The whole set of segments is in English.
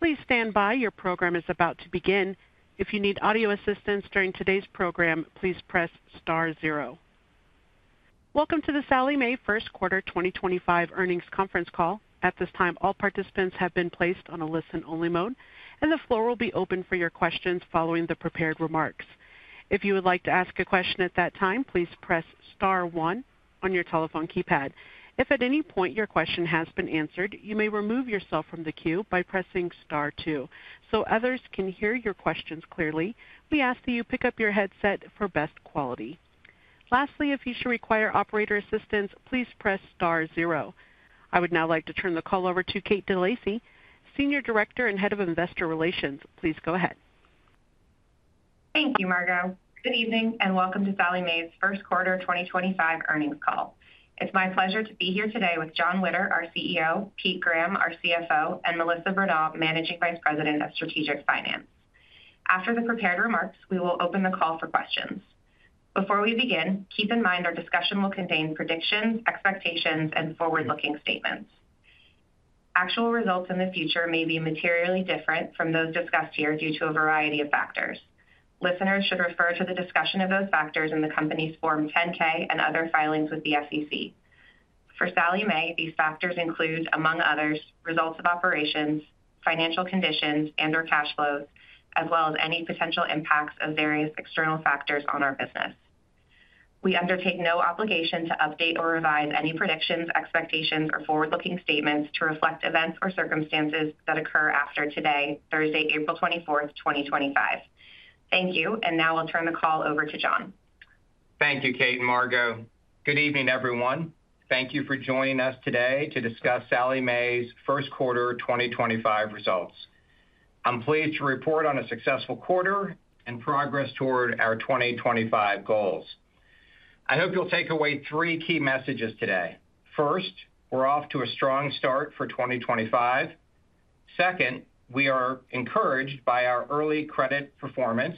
Please stand by, your program is about to begin. If you need audio assistance during today's program, please press star zero. Welcome to the Sallie Mae Q1 2025 earnings conference call. At this time, all participants have been placed on a listen-only mode, and the floor will be open for your questions following the prepared remarks. If you would like to ask a question at that time, please press star one on your telephone keypad. If at any point your question has been answered, you may remove yourself from the queue by pressing star two. So others can hear your questions clearly, we ask that you pick up your headset for best quality. Lastly, if you should require operator assistance, please press star zero. I would now like to turn the call over to Kate DeLacy, Senior Director and Head of Investor Relations. Please go ahead. Thank you, Kate. Good evening and welcome to Sallie Mae's Q1 2025 earnings call. It's my pleasure to be here today with Jon Witter, our CEO, Pete Graham, our CFO, and Melissa Bronaugh, Managing Vice President of Strategic Finance. After the prepared remarks, we will open the call for questions. Before we begin, keep in mind our discussion will contain predictions, expectations, and forward-looking statements. Actual results in the future may be materially different from those discussed here due to a variety of factors. Listeners should refer to the discussion of those factors in the company's Form 10-K and other filings with the SEC. For Sallie Mae, these factors include, among others, results of operations, financial conditions, and/or cash flows, as well as any potential impacts of various external factors on our business. We undertake no obligation to update or revise any predictions, expectations, or forward-looking statements to reflect events or circumstances that occur after today, Thursday, April 24, 2025. Thank you, and now I'll turn the call over to Jon. Thank you, Kate and Margo. Good evening, everyone. Thank you for joining us today to discuss Sallie Mae's Q1 2025 results. I'm pleased to report on a successful quarter and progress toward our 2025 goals. I hope you'll take away three key messages today. First, we're off to a strong start for 2025. Second, we are encouraged by our early credit performance.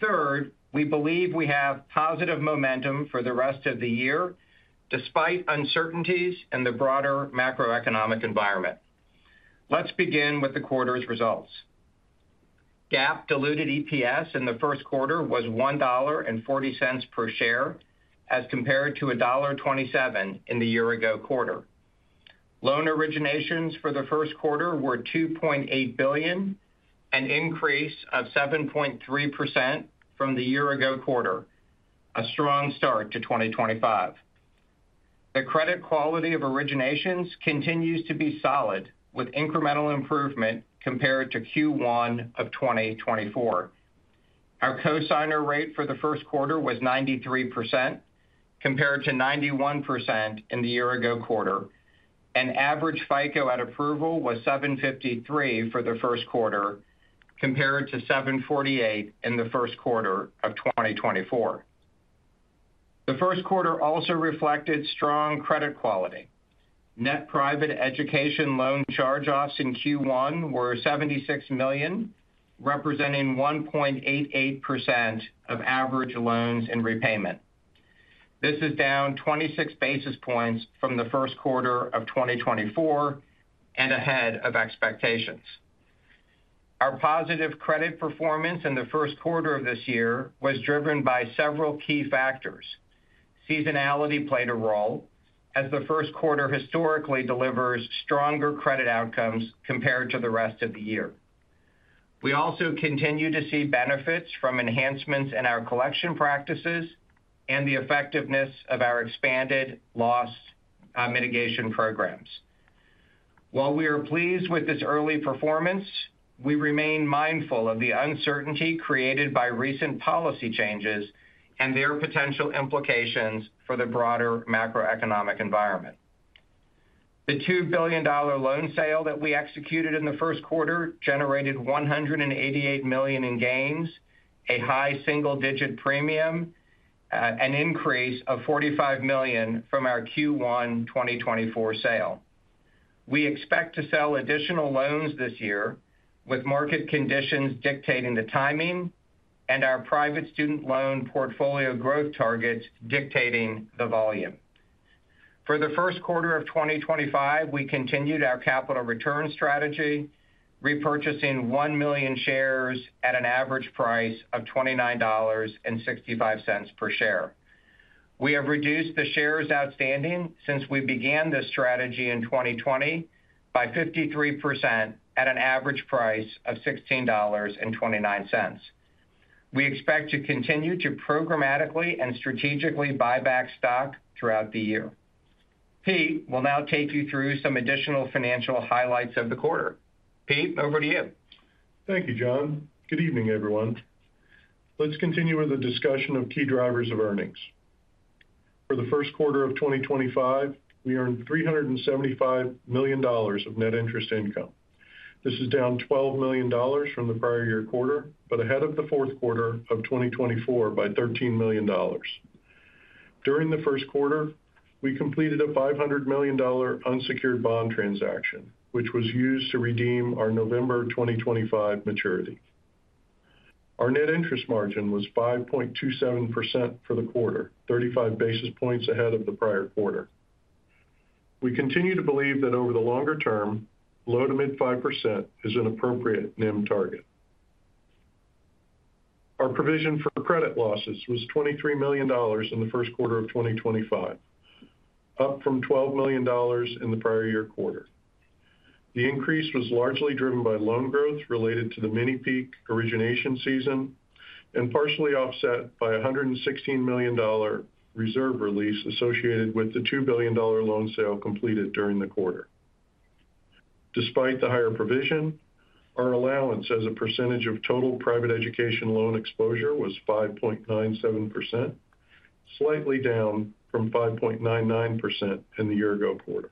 Third, we believe we have positive momentum for the rest of the year despite uncertainties in the broader macroeconomic environment. Let's begin with the quarter's results. GAAP diluted EPS in the Q1 was $1.40 per share as compared to $1.27 in the year-ago quarter. Loan originations for the Q1 were $2.8 billion, an increase of 7.3% from the year-ago quarter, a strong start to 2025. The credit quality of originations continues to be solid, with incremental improvement compared to Q1 of 2024. Our co-signer rate for the Q1 was 93% compared to 91% in the year-ago quarter, and average FICO at approval was 753 for the Q1 compared to 748 in the Q1 of 2024. The Q1 also reflected strong credit quality. Net private education loan charge-offs in Q1 were $76 million, representing 1.88% of average loans in repayment. This is down 26 basis points from the Q1 of 2024 and ahead of expectations. Our positive credit performance in the Q1 of this year was driven by several key factors. Seasonality played a role, as the Q1 historically delivers stronger credit outcomes compared to the rest of the year. We also continue to see benefits from enhancements in our collection practices and the effectiveness of our expanded loss mitigation programs. While we are pleased with this early performance, we remain mindful of the uncertainty created by recent policy changes and their potential implications for the broader macroeconomic environment. The $2 billion loan sale that we executed in the Q1 generated $188 million in gains, a high single-digit premium, and an increase of $45 million from our Q1 2024 sale. We expect to sell additional loans this year, with market conditions dictating the timing and our private student loan portfolio growth targets dictating the volume. For the Q1 of 2025, we continued our capital return strategy, repurchasing 1 million shares at an average price of $29.65 per share. We have reduced the shares outstanding since we began this strategy in 2020 by 53% at an average price of $16.29. We expect to continue to programmatically and strategically buy back stock throughout the year. Pete will now take you through some additional financial highlights of the quarter. Pete, over to you. Thank you, Jon. Good evening, everyone. Let's continue with a discussion of key drivers of earnings. For the Q1 of 2025, we earned $375 million of net interest income. This is down $12 million from the prior year quarter, but ahead of the Q4 of 2024 by $13 million. During the Q1, we completed a $500 million unsecured bond transaction, which was used to redeem our November 2025 maturity. Our net interest margin was 5.27% for the quarter, 35 basis points ahead of the prior quarter. We continue to believe that over the longer term, low to mid-5% is an appropriate NIM target. Our provision for credit losses was $23 million in the Q1 of 2025, up from $12 million in the prior year quarter. The increase was largely driven by loan growth related to the mini-peak origination season and partially offset by a $116 million reserve release associated with the $2 billion loan sale completed during the quarter. Despite the higher provision, our allowance as a percentage of total private education loan exposure was 5.97%, slightly down from 5.99% in the year-ago quarter.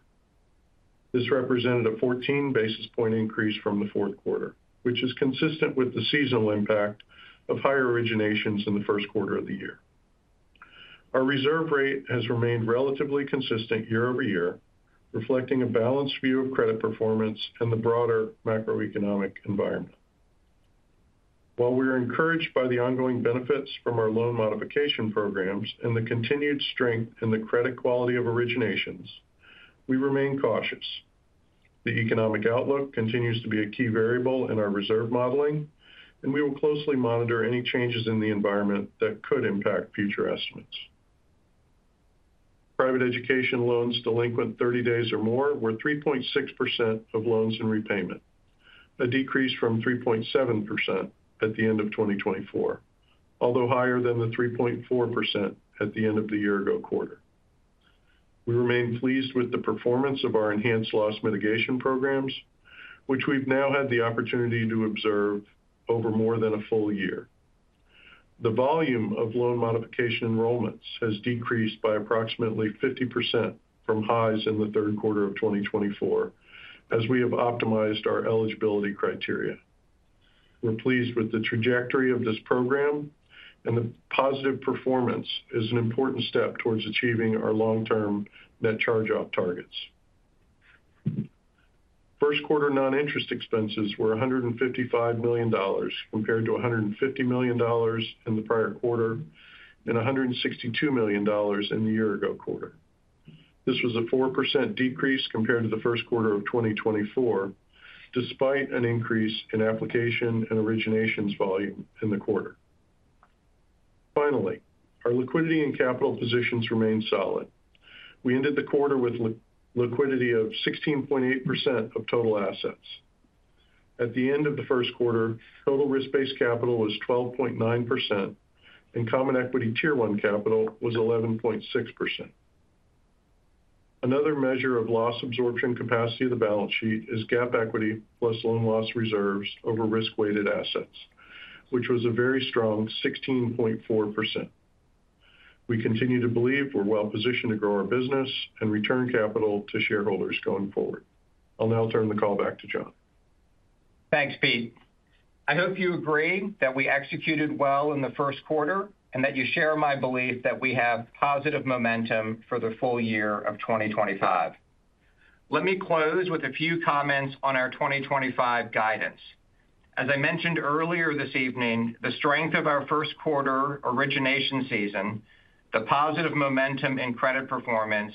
This represented a 14 basis point increase from the Q4, which is consistent with the seasonal impact of higher originations in the Q1 of the year. Our reserve rate has remained relatively consistent year over year, reflecting a balanced view of credit performance and the broader macroeconomic environment. While we are encouraged by the ongoing benefits from our loan modification programs and the continued strength in the credit quality of originations, we remain cautious. The economic outlook continues to be a key variable in our reserve modeling, and we will closely monitor any changes in the environment that could impact future estimates. Private education loans delinquent 30 days or more were 3.6% of loans in repayment, a decrease from 3.7% at the end of 2024, although higher than the 3.4% at the end of the year-ago quarter. We remain pleased with the performance of our enhanced loss mitigation programs, which we've now had the opportunity to observe over more than a full year. The volume of loan modification enrollments has decreased by approximately 50% from highs in the Q3 of 2024, as we have optimized our eligibility criteria. We're pleased with the trajectory of this program, and the positive performance is an important step towards achieving our long-term net charge-off targets. Q1 non-interest expenses were $155 million compared to $150 million in the prior quarter and $162 million in the year-ago quarter. This was a 4% decrease compared to the Q1 of 2024, despite an increase in application and originations volume in the quarter. Finally, our liquidity and capital positions remained solid. We ended the quarter with liquidity of 16.8% of total assets. At the end of the Q1, total risk-based capital was 12.9%, and Common Equity Tier 1 capital was 11.6%. Another measure of loss absorption capacity of the balance sheet is GAAP equity plus loan loss reserves over risk-weighted assets, which was a very strong 16.4%. We continue to believe we're well positioned to grow our business and return capital to shareholders going forward. I'll now turn the call back to Jon. Thanks, Pete. I hope you agree that we executed well in the Q1 and that you share my belief that we have positive momentum for the full year of 2025. Let me close with a few comments on our 2025 guidance. As I mentioned earlier this evening, the strength of our Q1 origination season, the positive momentum in credit performance,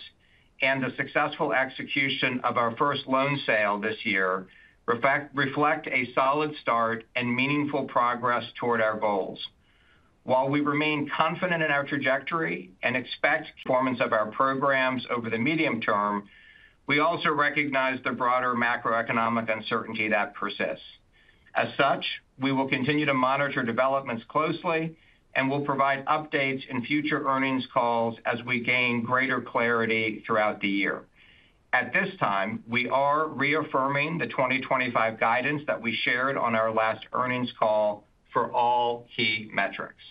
and the successful execution of our first loan sale this year reflect a solid start and meaningful progress toward our goals. While we remain confident in our trajectory and expect performance of our programs over the medium term, we also recognize the broader macroeconomic uncertainty that persists. As such, we will continue to monitor developments closely and will provide updates in future earnings calls as we gain greater clarity throughout the year. At this time, we are reaffirming the 2025 guidance that we shared on our last earnings call for all key metrics.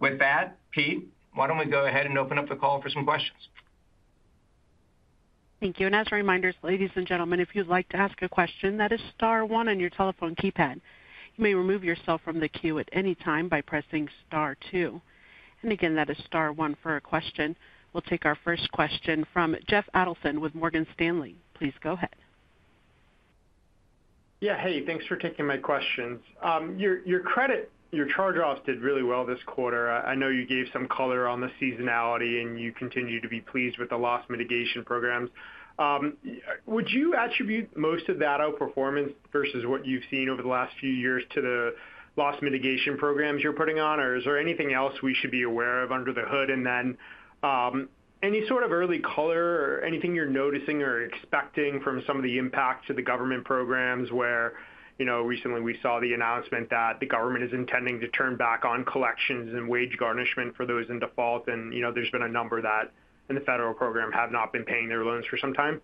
With that, Pete, why don't we go ahead and open up the call for some questions? Thank you. As a reminder, ladies and gentlemen, if you'd like to ask a question, that is star one on your telephone keypad. You may remove yourself from the queue at any time by pressing star two. Again, that is star one for a question. We'll take our first question from Jeff Adelson with Morgan Stanley. Please go ahead. Yeah, hey, thanks for taking my questions. Your credit, your charge-offs did really well this quarter. I know you gave some color on the seasonality, and you continue to be pleased with the loss mitigation programs. Would you attribute most of that outperformance versus what you've seen over the last few years to the loss mitigation programs you're putting on, or is there anything else we should be aware of under the hood? Any sort of early color or anything you're noticing or expecting from some of the impacts of the government programs where, you know, recently we saw the announcement that the government is intending to turn back on collections and wage garnishment for those in default, and, you know, there's been a number that in the federal program have not been paying their loans for some time?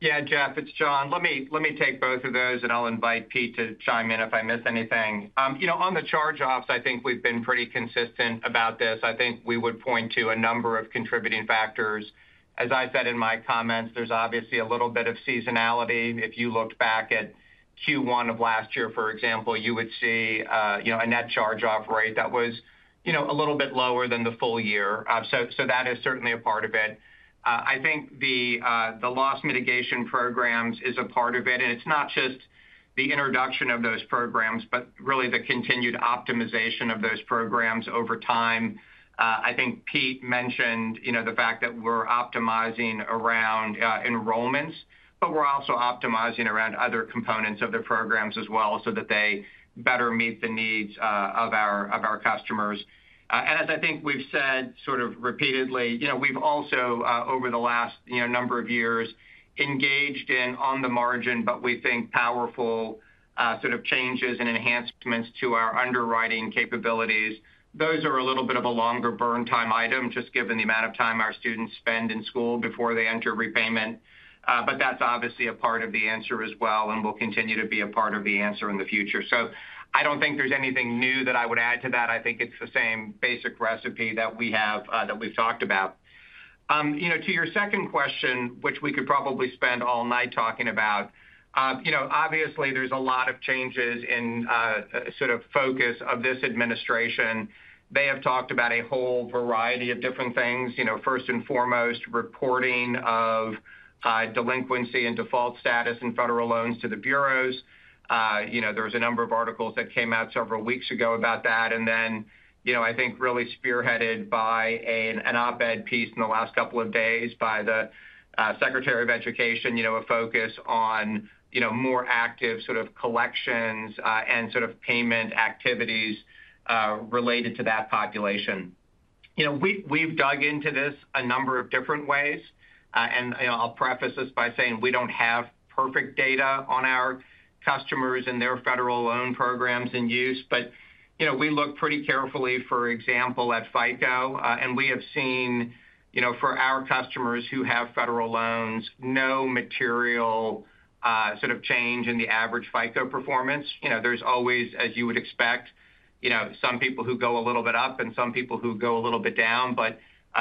Yeah, Jeff, it's Jon. Let me take both of those, and I'll invite Pete to chime in if I miss anything. You know, on the charge-offs, I think we've been pretty consistent about this. I think we would point to a number of contributing factors. As I said in my comments, there's obviously a little bit of seasonality. If you looked back at Q1 of last year, for example, you would see, you know, a net charge-off rate that was, you know, a little bit lower than the full year. That is certainly a part of it. I think the loss mitigation programs is a part of it, and it's not just the introduction of those programs, but really the continued optimization of those programs over time. I think Pete mentioned, you know, the fact that we're optimizing around enrollments, but we're also optimizing around other components of the programs as well so that they better meet the needs of our customers. As I think we've said sort of repeatedly, you know, we've also, over the last, you know, number of years, engaged in on the margin, but we think powerful sort of changes and enhancements to our underwriting capabilities. Those are a little bit of a longer burn time item, just given the amount of time our students spend in school before they enter repayment. That is obviously a part of the answer as well, and will continue to be a part of the answer in the future. I don't think there's anything new that I would add to that. I think it's the same basic recipe that we have that we've talked about. You know, to your second question, which we could probably spend all night talking about, you know, obviously there's a lot of changes in sort of focus of this administration. They have talked about a whole variety of different things. You know, first and foremost, reporting of delinquency and default status in federal loans to the bureaus. You know, there was a number of articles that came out several weeks ago about that. You know, I think really spearheaded by an op-ed piece in the last couple of days by the Secretary of Education, you know, a focus on, you know, more active sort of collections and sort of payment activities related to that population. You know, we've dug into this a number of different ways. You know, I'll preface this by saying we don't have perfect data on our customers and their federal loan programs in use. You know, we look pretty carefully, for example, at FICO, and we have seen, you know, for our customers who have federal loans, no material sort of change in the average FICO performance. You know, there's always, as you would expect, you know, some people who go a little bit up and some people who go a little bit down, but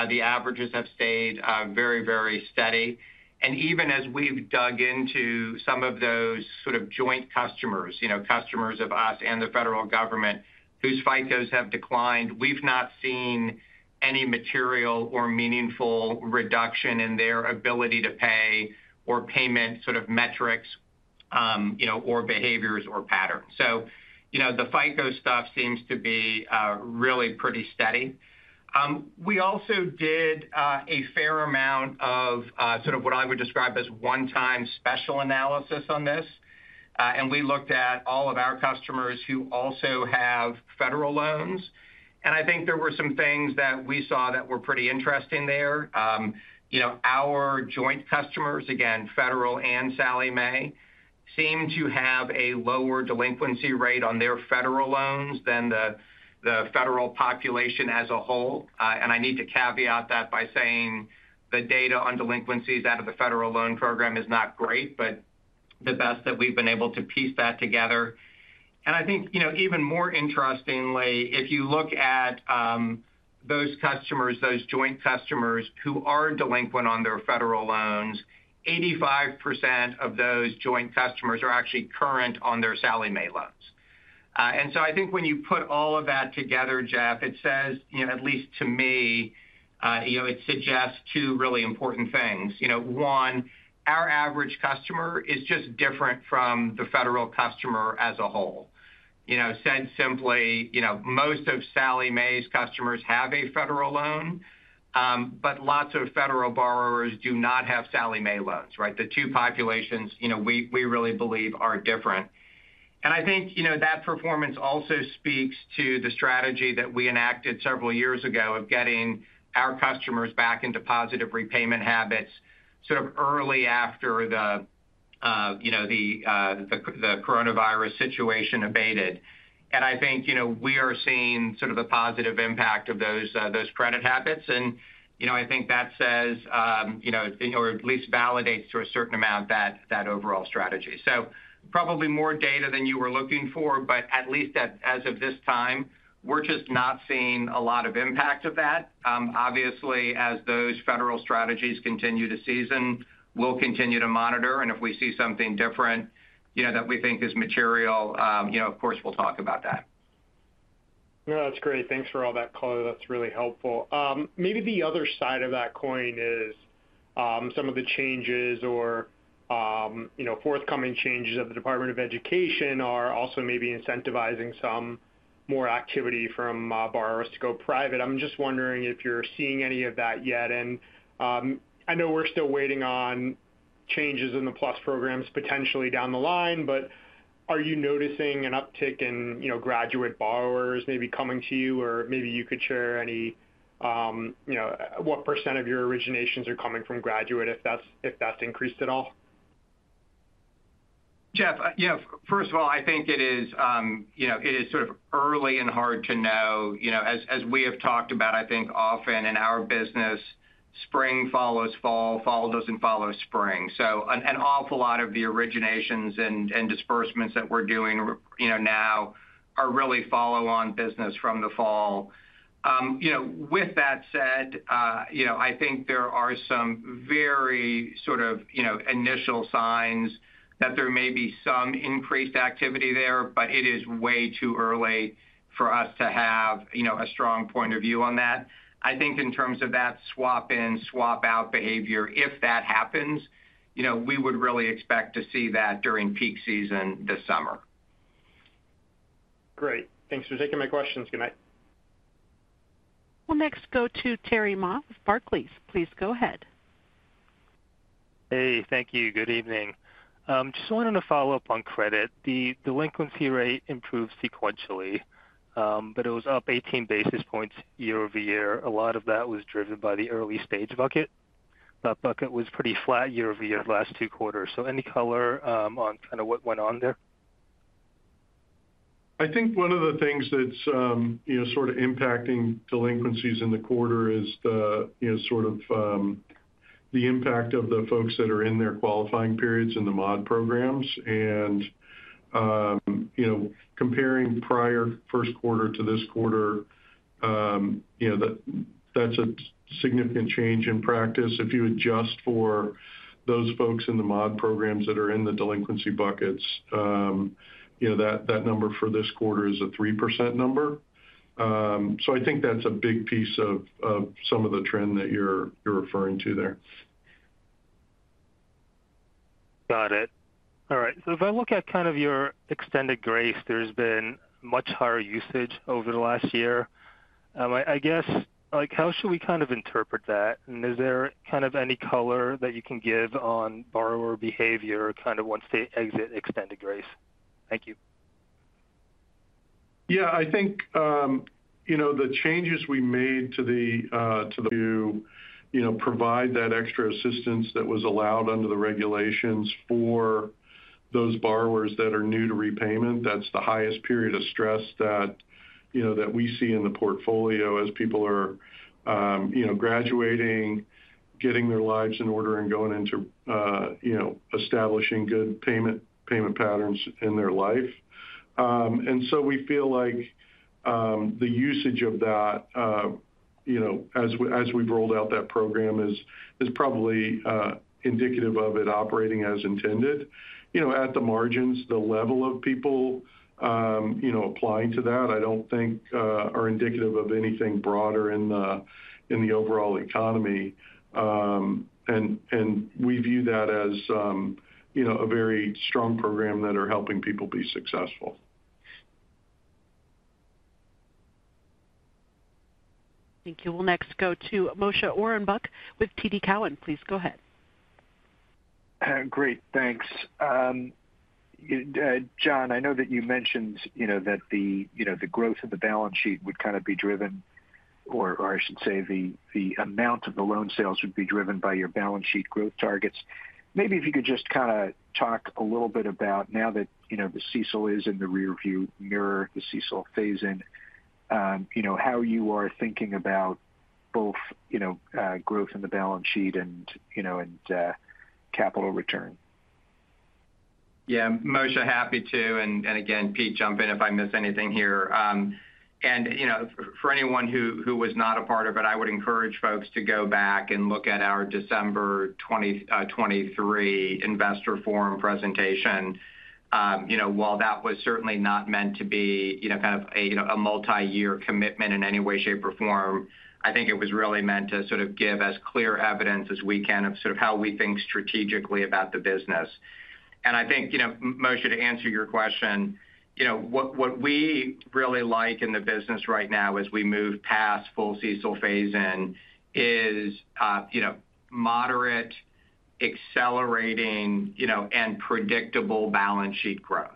the averages have stayed very, very steady. Even as we've dug into some of those sort of joint customers, you know, customers of us and the federal government whose FICOs have declined, we've not seen any material or meaningful reduction in their ability to pay or payment sort of metrics, you know, or behaviors or patterns. You know, the FICO stuff seems to be really pretty steady. We also did a fair amount of sort of what I would describe as one-time special analysis on this. We looked at all of our customers who also have federal loans. I think there were some things that we saw that were pretty interesting there. You know, our joint customers, again, federal and Sallie Mae, seem to have a lower delinquency rate on their federal loans than the federal population as a whole. I need to caveat that by saying the data on delinquencies out of the federal loan program is not great, but the best that we've been able to piece that together. I think, you know, even more interestingly, if you look at those customers, those joint customers who are delinquent on their federal loans, 85% of those joint customers are actually current on their Sallie Mae loans. I think when you put all of that together, Jeff, it says, you know, at least to me, you know, it suggests two really important things. You know, one, our average customer is just different from the federal customer as a whole. Said simply, you know, most of Sallie Mae's customers have a federal loan, but lots of federal borrowers do not have Sallie Mae loans, right? The two populations, you know, we really believe are different. I think, you know, that performance also speaks to the strategy that we enacted several years ago of getting our customers back into positive repayment habits sort of early after the, you know, the coronavirus situation abated. I think, you know, we are seeing sort of the positive impact of those credit habits. You know, I think that says, you know, or at least validates to a certain amount that overall strategy. Probably more data than you were looking for, but at least as of this time, we're just not seeing a lot of impact of that. Obviously, as those federal strategies continue to season, we'll continue to monitor. If we see something different, you know, that we think is material, you know, of course, we'll talk about that. No, that's great. Thanks for all that color. That's really helpful. Maybe the other side of that coin is some of the changes or, you know, forthcoming changes of the Department of Education are also maybe incentivizing some more activity from borrowers to go private. I'm just wondering if you're seeing any of that yet. I know we're still waiting on changes in the PLUS programs potentially down the line, but are you noticing an uptick in, you know, graduate borrowers maybe coming to you? Or maybe you could share any, you know, what percent of your originations are coming from graduate if that's increased at all? Jeff, yeah, first of all, I think it is, you know, it is sort of early and hard to know. You know, as we have talked about, I think often in our business, spring follows fall, fall does not follow spring. So an awful lot of the originations and disbursements that we are doing, you know, now are really follow-on business from the fall. You know, with that said, you know, I think there are some very sort of, you know, initial signs that there may be some increased activity there, but it is way too early for us to have, you know, a strong point of view on that. I think in terms of that swap-in, swap-out behavior, if that happens, you know, we would really expect to see that during peak season this summer. Great. Thanks for taking my questions. Good night. We'll next go to Terry Ma of Barclays. Please go ahead. Hey, thank you. Good evening. Just wanted to follow up on credit. The delinquency rate improved sequentially, but it was up 18 basis points year over year. A lot of that was driven by the early stage bucket. That bucket was pretty flat year over year the last two quarters. Any color on kind of what went on there? I think one of the things that's, you know, sort of impacting delinquencies in the quarter is the, you know, sort of the impact of the folks that are in their qualifying periods in the mod programs. You know, comparing prior Q1 to this quarter, you know, that's a significant change in practice. If you adjust for those folks in the mod programs that are in the delinquency buckets, you know, that number for this quarter is a 3% number. I think that's a big piece of some of the trend that you're referring to there. Got it. All right. If I look at kind of your extended grace, there's been much higher usage over the last year. I guess, like, how should we kind of interpret that? Is there kind of any color that you can give on borrower behavior kind of once they exit extended grace? Thank you. Yeah, I think, you know, the changes we made to the, to, you know, provide that extra assistance that was allowed under the regulations for those borrowers that are new to repayment, that's the highest period of stress that, you know, that we see in the portfolio as people are, you know, graduating, getting their lives in order and going into, you know, establishing good payment patterns in their life. We feel like the usage of that, you know, as we've rolled out that program is probably indicative of it operating as intended. You know, at the margins, the level of people, you know, applying to that, I don't think are indicative of anything broader in the overall economy. We view that as, you know, a very strong program that are helping people be successful. Thank you. We'll next go to Moshe Orenbuch with TD Cowen. Please go ahead. Great. Thanks. Jon, I know that you mentioned, you know, that the, you know, the growth of the balance sheet would kind of be driven, or I should say the amount of the loan sales would be driven by your balance sheet growth targets. Maybe if you could just kind of talk a little bit about now that, you know, the CECL is in the rearview mirror, the CECL phase-in, you know, how you are thinking about both, you know, growth in the balance sheet and, you know, capital return. Yeah, Moshe, happy to. Again, Pete, jump in if I miss anything here. You know, for anyone who was not a part of it, I would encourage folks to go back and look at our December 2023 investor forum presentation. You know, while that was certainly not meant to be, you know, kind of a multi-year commitment in any way, shape, or form, I think it was really meant to sort of give as clear evidence as we can of sort of how we think strategically about the business. I think, you know, Moshe, to answer your question, you know, what we really like in the business right now as we move past full CECL phase-in is, you know, moderate, accelerating, and predictable balance sheet growth.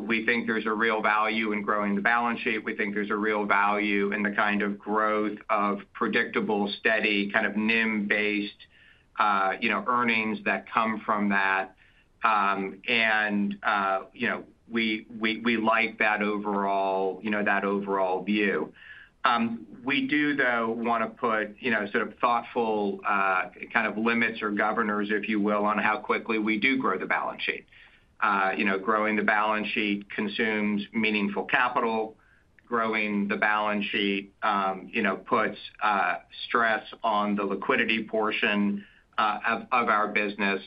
We think there's a real value in growing the balance sheet. We think there's a real value in the kind of growth of predictable, steady, kind of NIM-based, you know, earnings that come from that. You know, we like that overall, you know, that overall view. We do, though, want to put, you know, sort of thoughtful kind of limits or governors, if you will, on how quickly we do grow the balance sheet. You know, growing the balance sheet consumes meaningful capital. Growing the balance sheet, you know, puts stress on the liquidity portion of our business.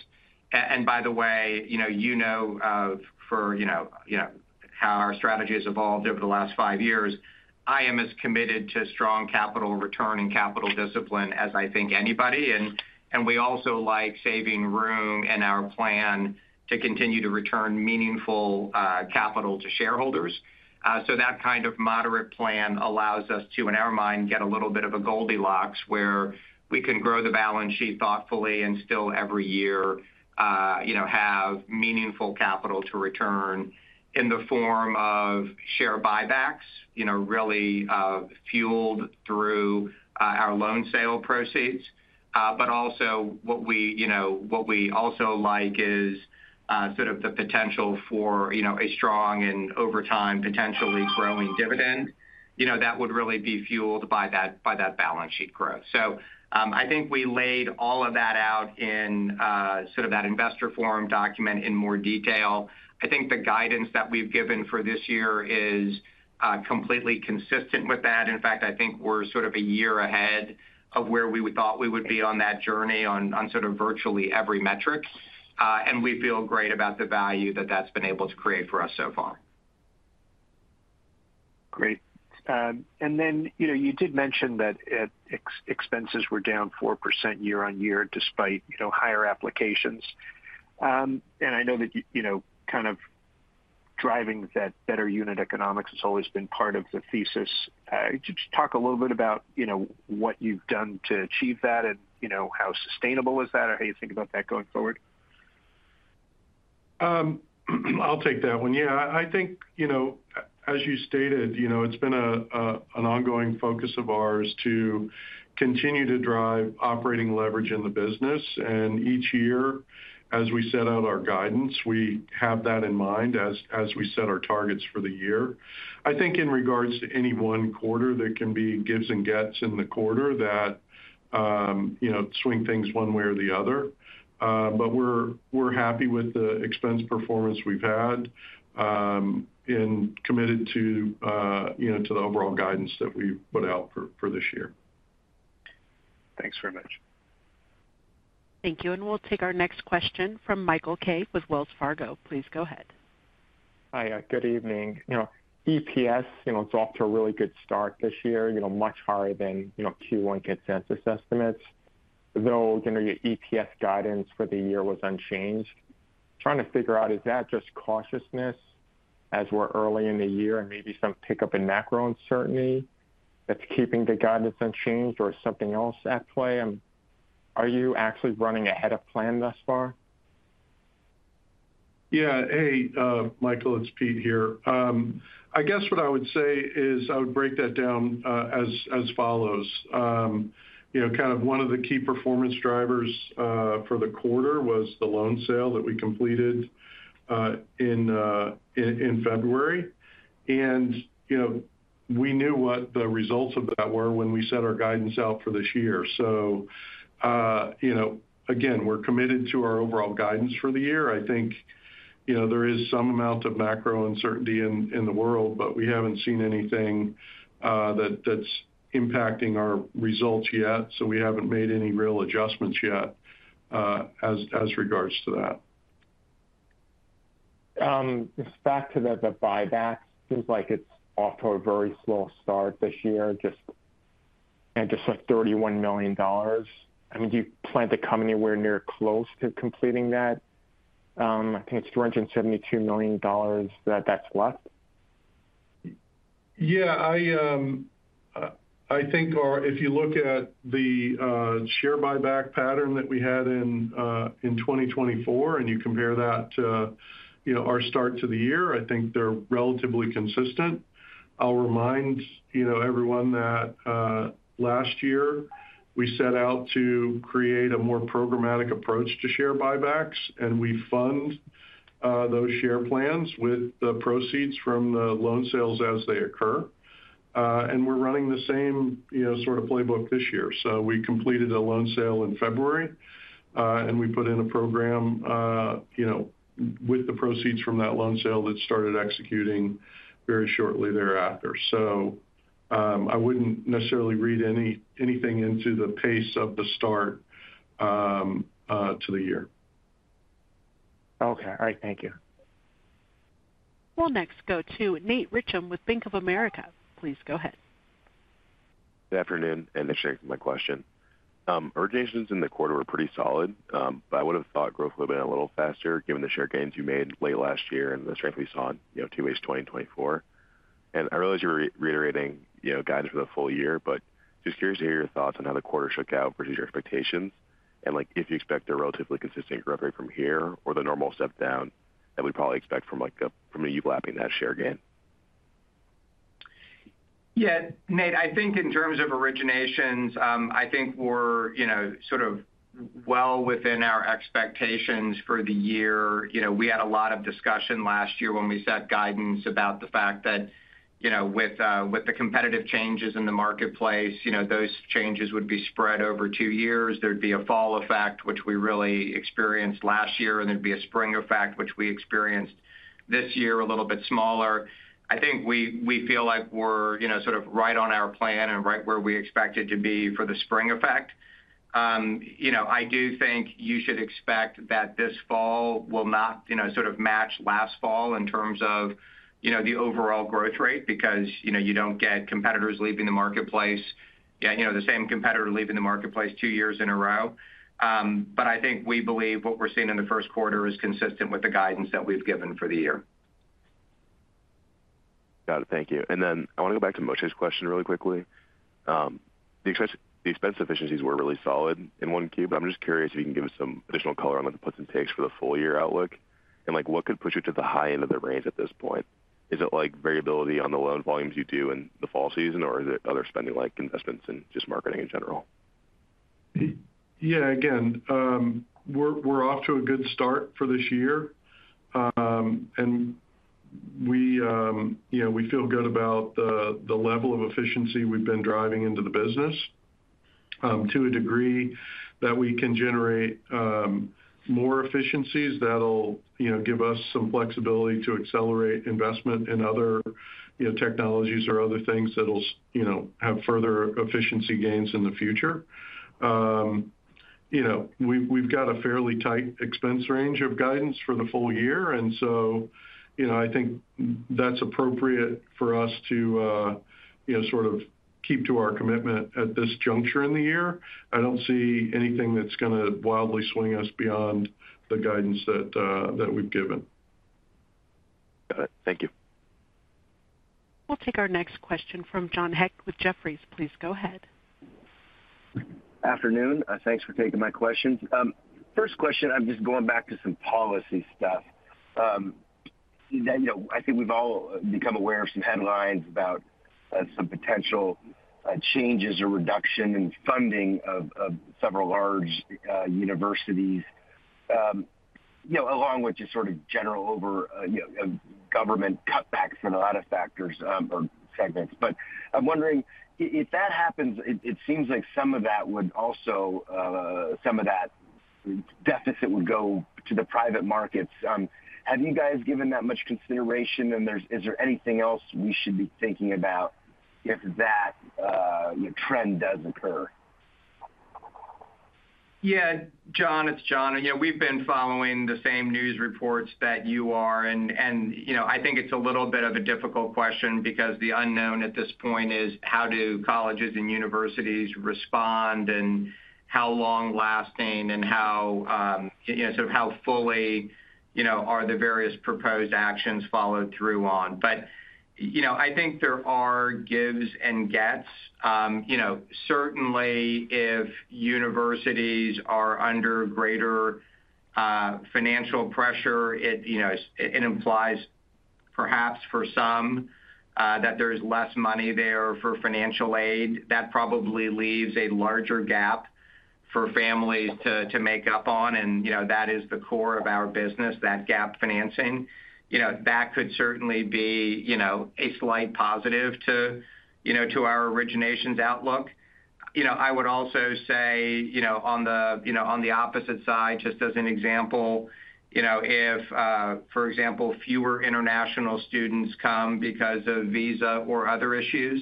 By the way, you know, you know how our strategy has evolved over the last five years. I am as committed to strong capital return and capital discipline as I think anybody. We also like saving room in our plan to continue to return meaningful capital to shareholders. That kind of moderate plan allows us to, in our mind, get a little bit of a Goldilocks where we can grow the balance sheet thoughtfully and still every year, you know, have meaningful capital to return in the form of share buybacks, you know, really fueled through our loan sale proceeds. What we also like is sort of the potential for, you know, a strong and over time potentially growing dividend, you know, that would really be fueled by that balance sheet growth. I think we laid all of that out in sort of that investor forum document in more detail. I think the guidance that we've given for this year is completely consistent with that. In fact, I think we're sort of a year ahead of where we thought we would be on that journey on sort of virtually every metric. We feel great about the value that that's been able to create for us so far. Great. You did mention that expenses were down 4% year on year despite, you know, higher applications. I know that, you know, kind of driving that better unit economics has always been part of the thesis. Just talk a little bit about, you know, what you've done to achieve that and, you know, how sustainable is that or how you think about that going forward? I'll take that one. Yeah, I think, you know, as you stated, you know, it's been an ongoing focus of ours to continue to drive operating leverage in the business. Each year, as we set out our guidance, we have that in mind as we set our targets for the year. I think in regards to any one quarter, there can be gives and gets in the quarter that, you know, swing things one way or the other. We are happy with the expense performance we've had and committed to, you know, to the overall guidance that we've put out for this year. Thanks very much. Thank you. We will take our next question from Michael Kaye with Wells Fargo. Please go ahead. Hi, good evening. You know, EPS, you know, is off to a really good start this year, you know, much higher than, you know, Q1 consensus estimates. Though, you know, your EPS guidance for the year was unchanged. Trying to figure out, is that just cautiousness as we're early in the year and maybe some pickup in macro uncertainty that's keeping the guidance unchanged or is something else at play? Are you actually running ahead of plan thus far? Yeah. Hey, Michael, it's Pete here. I guess what I would say is I would break that down as follows. You know, kind of one of the key performance drivers for the quarter was the loan sale that we completed in February. You know, we knew what the results of that were when we set our guidance out for this year. You know, again, we're committed to our overall guidance for the year. I think, you know, there is some amount of macro uncertainty in the world, but we haven't seen anything that's impacting our results yet. We haven't made any real adjustments yet as regards to that. Just back to the buybacks, it seems like it's off to a very slow start this year, just, you know, just like $31 million. I mean, do you plan to come anywhere near close to completing that? I think it's $372 million that that's left. Yeah, I think if you look at the share buyback pattern that we had in 2024 and you compare that to, you know, our start to the year, I think they're relatively consistent. I'll remind, you know, everyone that last year we set out to create a more programmatic approach to share buybacks and we fund those share plans with the proceeds from the loan sales as they occur. We're running the same, you know, sort of playbook this year. We completed a loan sale in February and we put in a program, you know, with the proceeds from that loan sale that started executing very shortly thereafter. I wouldn't necessarily read anything into the pace of the start to the year. Okay. All right. Thank you. We'll next go to Nate Richam with Bank of America. Please go ahead. Good afternoon and thanks for taking my question. Originations in the quarter were pretty solid, but I would have thought growth would have been a little faster given the share gains you made late last year and the strength we saw in, you know, two weeks 2024. I realize you were reiterating, you know, guidance for the full year, but just curious to hear your thoughts on how the quarter shook out versus your expectations and, like, if you expect a relatively consistent growth rate from here or the normal step down that we'd probably expect from, like, a from a year lapping that share gain. Yeah, Nate, I think in terms of originations, I think we're, you know, sort of well within our expectations for the year. You know, we had a lot of discussion last year when we set guidance about the fact that, you know, with the competitive changes in the marketplace, you know, those changes would be spread over two years. There'd be a fall effect, which we really experienced last year, and there'd be a spring effect, which we experienced this year a little bit smaller. I think we feel like we're, you know, sort of right on our plan and right where we expected to be for the spring effect. You know, I do think you should expect that this fall will not, you know, sort of match last fall in terms of, you know, the overall growth rate because, you know, you do not get competitors leaving the marketplace, you know, the same competitor leaving the marketplace two years in a row. I think we believe what we are seeing in the Q1 is consistent with the guidance that we have given for the year. Got it. Thank you. I want to go back to Moshe's question really quickly. The expense efficiencies were really solid in one key, but I'm just curious if you can give us some additional color on, like, the puts and takes for the full year outlook and, like, what could push it to the high end of the range at this point? Is it, like, variability on the loan volumes you do in the fall season or is it other spending, like, investments and just marketing in general? Yeah, again, we're off to a good start for this year. We, you know, we feel good about the level of efficiency we've been driving into the business to a degree that we can generate more efficiencies that'll, you know, give us some flexibility to accelerate investment in other, you know, technologies or other things that'll, you know, have further efficiency gains in the future. You know, we've got a fairly tight expense range of guidance for the full year. I think that's appropriate for us to, you know, sort of keep to our commitment at this juncture in the year. I don't see anything that's going to wildly swing us beyond the guidance that we've given. Got it. Thank you. We'll take our next question from John Hecht with Jefferies. Please go ahead. Good afternoon. Thanks for taking my questions. First question, I'm just going back to some policy stuff. You know, I think we've all become aware of some headlines about some potential changes or reduction in funding of several large universities, you know, along with just sort of general over, you know, government cutbacks and a lot of factors or segments. You know, I'm wondering if that happens, it seems like some of that would also, some of that deficit would go to the private markets. Have you guys given that much consideration? Is there anything else we should be thinking about if that trend does occur? Yeah, John, it's Jon. You know, we've been following the same news reports that you are. You know, I think it's a little bit of a difficult question because the unknown at this point is how do colleges and universities respond and how long lasting and how, you know, sort of how fully, you know, are the various proposed actions followed through on. You know, I think there are gives and gets. You know, certainly if universities are under greater financial pressure, it, you know, it implies perhaps for some that there's less money there for financial aid. That probably leaves a larger gap for families to make up on. You know, that is the core of our business, that gap financing. You know, that could certainly be, you know, a slight positive to, you know, to our originations outlook. You know, I would also say, you know, on the, you know, on the opposite side, just as an example, you know, if, for example, fewer international students come because of visa or other issues,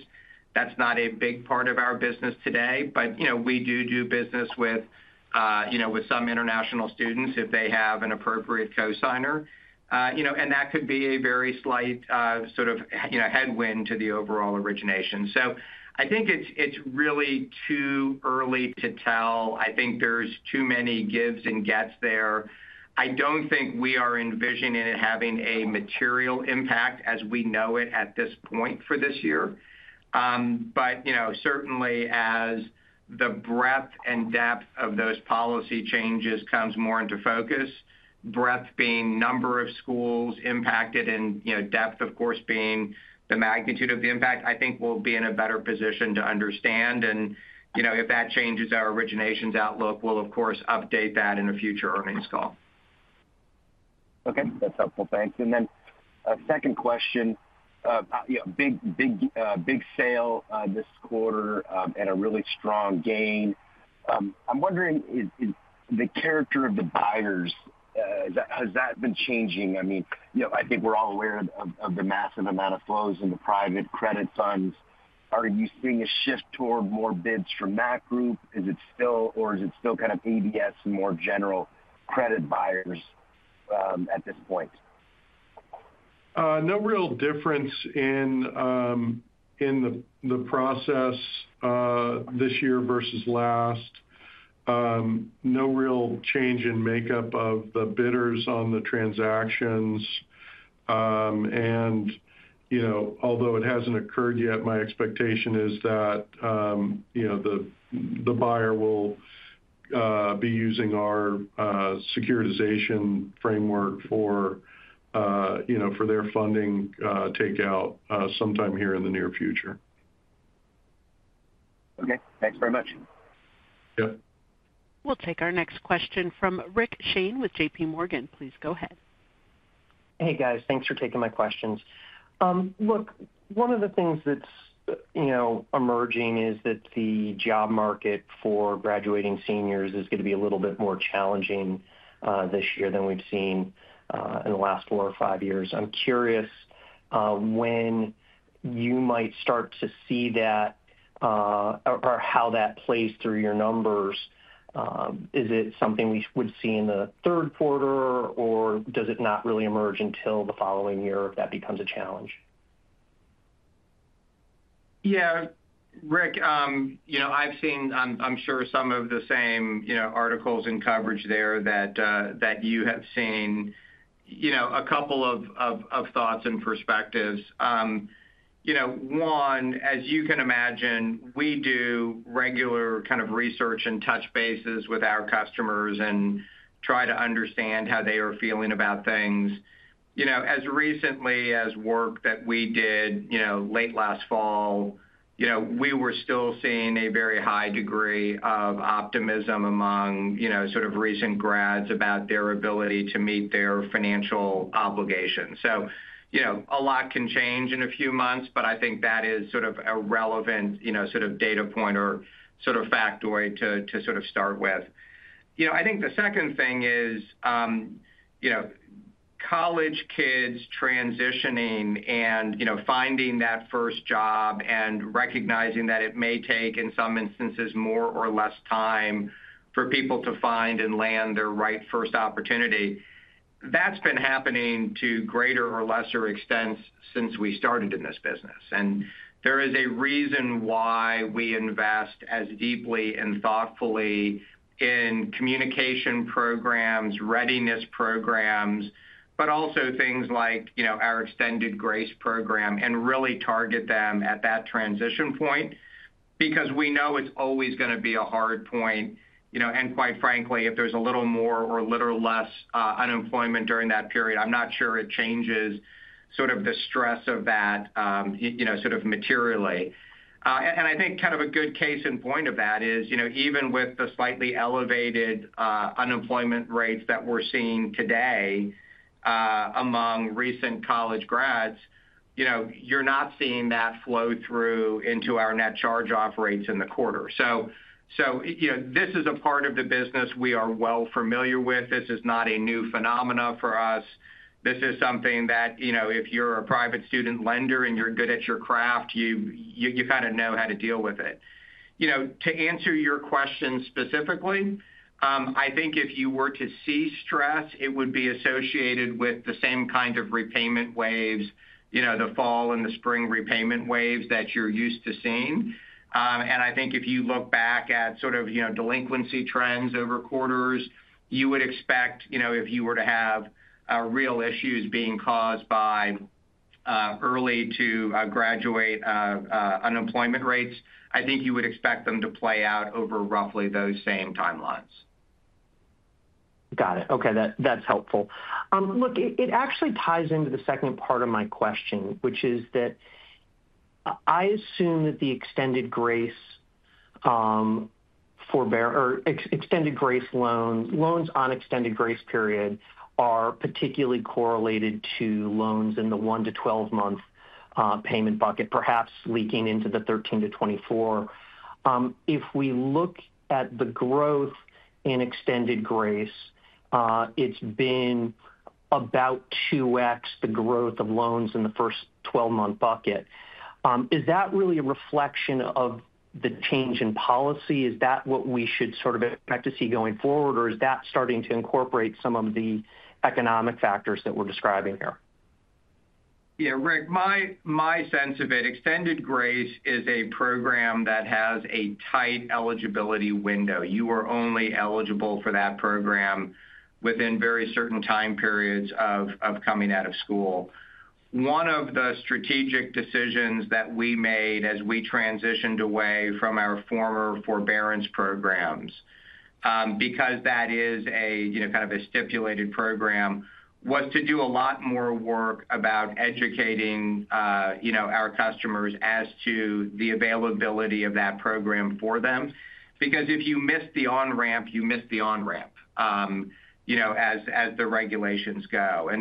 that's not a big part of our business today. But, you know, we do do business with, you know, with some international students if they have an appropriate co-signer, you know, and that could be a very slight sort of, you know, headwind to the overall origination. I think it's really too early to tell. I think there's too many gives and gets there. I don't think we are envisioning it having a material impact as we know it at this point for this year. You know, certainly as the breadth and depth of those policy changes comes more into focus, breadth being number of schools impacted and, you know, depth, of course, being the magnitude of the impact, I think we'll be in a better position to understand. You know, if that changes our originations outlook, we'll, of course, update that in a future earnings call. Okay. That's helpful. Thanks. Then a second question, you know, big, big sale this quarter and a really strong gain. I'm wondering, is the character of the buyers, has that been changing? I mean, you know, I think we're all aware of the massive amount of flows in the private credit funds. Are you seeing a shift toward more bids from that group? Is it still, or is it still kind of ABS and more general credit buyers at this point? No real difference in the process this year versus last. No real change in makeup of the bidders on the transactions. You know, although it hasn't occurred yet, my expectation is that, you know, the buyer will be using our securitization framework for, you know, for their funding takeout sometime here in the near future. Okay. Thanks very much. Yep. We'll take our next question from Rick Shane with JPMorgan. Please go ahead. Hey, guys. Thanks for taking my questions. Look, one of the things that's, you know, emerging is that the job market for graduating seniors is going to be a little bit more challenging this year than we've seen in the last four or five years. I'm curious when you might start to see that or how that plays through your numbers. Is it something we would see in the Q3, or does it not really emerge until the following year if that becomes a challenge? Yeah, Rick, you know, I've seen, I'm sure some of the same, you know, articles and coverage there that you have seen, you know, a couple of thoughts and perspectives. You know, one, as you can imagine, we do regular kind of research and touch bases with our customers and try to understand how they are feeling about things. You know, as recently as work that we did, you know, late last fall, you know, we were still seeing a very high degree of optimism among, you know, sort of recent grads about their ability to meet their financial obligations. A lot can change in a few months, but I think that is sort of a relevant, you know, sort of data point or sort of factoid to sort of start with. You know, I think the second thing is, you know, college kids transitioning and, you know, finding that first job and recognizing that it may take in some instances more or less time for people to find and land their right first opportunity. That's been happening to greater or lesser extents since we started in this business. There is a reason why we invest as deeply and thoughtfully in communication programs, readiness programs, but also things like, you know, our Extended Grace Program and really target them at that transition point because we know it's always going to be a hard point. You know, and quite frankly, if there's a little more or a little less unemployment during that period, I'm not sure it changes sort of the stress of that, you know, sort of materially. I think kind of a good case in point of that is, you know, even with the slightly elevated unemployment rates that we're seeing today among recent college grads, you know, you're not seeing that flow through into our net charge-off rates in the quarter. You know, this is a part of the business we are well familiar with. This is not a new phenomenon for us. This is something that, you know, if you're a private student lender and you're good at your craft, you kind of know how to deal with it. You know, to answer your question specifically, I think if you were to see stress, it would be associated with the same kind of repayment waves, you know, the fall and the spring repayment waves that you're used to seeing. I think if you look back at sort of, you know, delinquency trends over quarters, you would expect, you know, if you were to have real issues being caused by early to graduate unemployment rates, I think you would expect them to play out over roughly those same timelines. Got it. Okay. That's helpful. Look, it actually ties into the second part of my question, which is that I assume that the extended grace forbear or extended grace loans, loans on extended grace period are particularly correlated to loans in the 1 to 12 month payment bucket, perhaps leaking into the 13 to 24. If we look at the growth in extended grace, it's been about 2x the growth of loans in the first 12-month bucket. Is that really a reflection of the change in policy? Is that what we should sort of expect to see going forward, or is that starting to incorporate some of the economic factors that we're describing here? Yeah, Rick, my sense of it, extended grace is a program that has a tight eligibility window. You are only eligible for that program within very certain time periods of coming out of school. One of the strategic decisions that we made as we transitioned away from our former forbearance programs, because that is a, you know, kind of a stipulated program, was to do a lot more work about educating, you know, our customers as to the availability of that program for them. Because if you miss the on-ramp, you miss the on-ramp, you know, as the regulations go.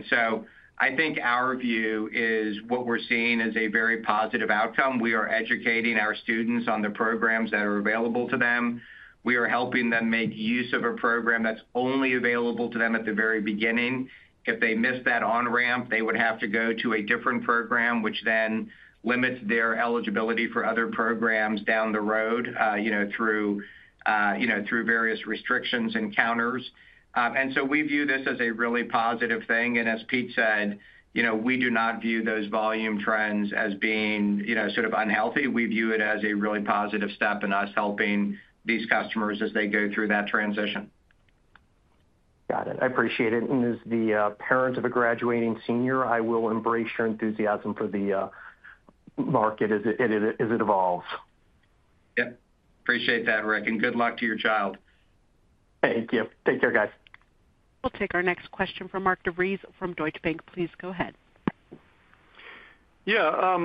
I think our view is what we're seeing is a very positive outcome. We are educating our students on the programs that are available to them. We are helping them make use of a program that's only available to them at the very beginning. If they miss that on-ramp, they would have to go to a different program, which then limits their eligibility for other programs down the road, you know, through, you know, through various restrictions and counters. We view this as a really positive thing. As Pete said, you know, we do not view those volume trends as being, you know, sort of unhealthy. We view it as a really positive step in us helping these customers as they go through that transition. Got it. I appreciate it. As the parent of a graduating senior, I will embrace your enthusiasm for the market as it evolves. Yep. Appreciate that, Rick. Good luck to your child. Thank you. Take care, guys. We'll take our next question from Mark DeVries from Deutsche Bank. Please go ahead. Yeah.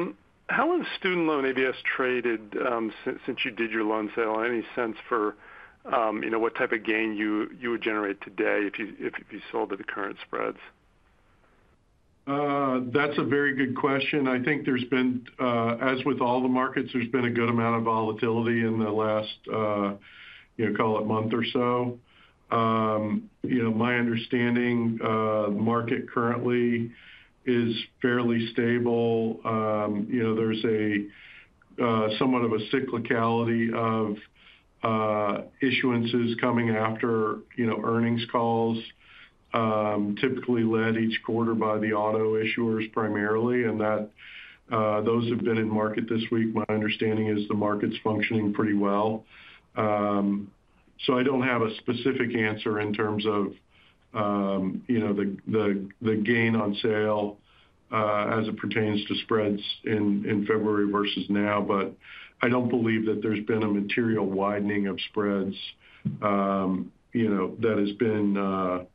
How has student loan ABS traded since you did your loan sale? Any sense for, you know, what type of gain you would generate today if you sold at the current spreads? That's a very good question. I think there's been, as with all the markets, there's been a good amount of volatility in the last, you know, call it month or so. You know, my understanding, the market currently is fairly stable. You know, there's somewhat of a cyclicality of issuances coming after, you know, earnings calls, typically led each quarter by the auto issuers primarily. That those have been in market this week. My understanding is the market's functioning pretty well. I don't have a specific answer in terms of, you know, the gain on sale as it pertains to spreads in February versus now. I don't believe that there's been a material widening of spreads, you know, that has been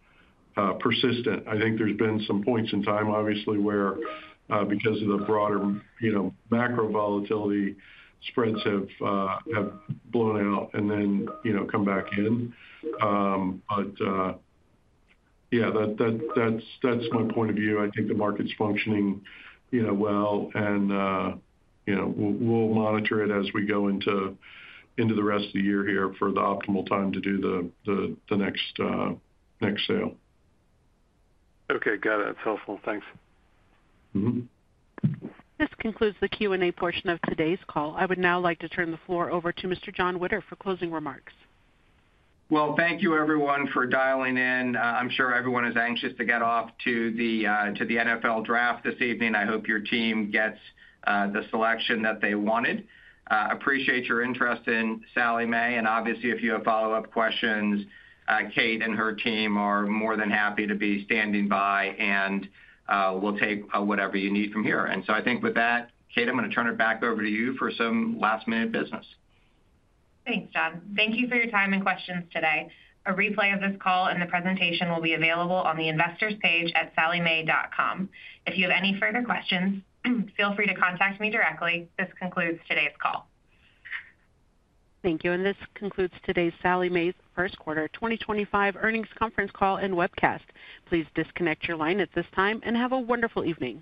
persistent. I think there's been some points in time, obviously, where because of the broader, you know, macro volatility, spreads have blown out and then, you know, come back in. Yeah, that's my point of view. I think the market's functioning, you know, well. You know, we'll monitor it as we go into the rest of the year here for the optimal time to do the next sale. Okay. Got it. That's helpful. Thanks. This concludes the Q&A portion of today's call. I would now like to turn the floor over to Mr. Jon Witter for closing remarks. Thank you, everyone, for dialing in. I'm sure everyone is anxious to get off to the NFL draft this evening. I hope your team gets the selection that they wanted. Appreciate your interest in Sallie Mae. Obviously, if you have follow-up questions, Kate and her team are more than happy to be standing by and will take whatever you need from here. I think with that, Kate, I'm going to turn it back over to you for some last-minute business. Thanks, Jon. Thank you for your time and questions today. A replay of this call and the presentation will be available on the investors' page at salliemae.com. If you have any further questions, feel free to contact me directly. This concludes today's call. Thank you. This concludes today's Sallie Mae's Q1 2025 earnings conference call and webcast. Please disconnect your line at this time and have a wonderful evening.